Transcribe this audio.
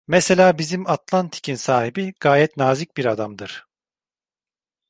Mesela bizim Atlantik'in sahibi gayet nazik bir adamdır.